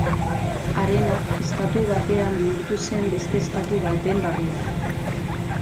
Harena estatu batean bihurtu zen beste estatu baten barruan.